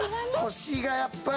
腰がやっぱり。